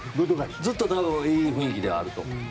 ずっといい雰囲気ではあると。